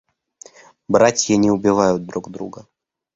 Братья не убивают друг друга.